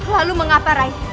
lalu mengapa rai